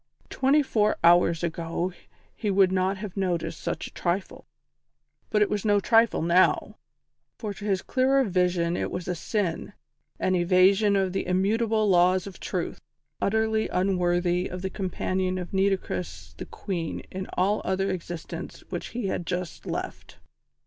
Twenty four hours ago he would not have noticed such a trifle: but it was no trifle now; for to his clearer vision it was a sin, an evasion of the immutable laws of Truth, utterly unworthy of the companion of Nitocris the Queen in that other existence which he had just left.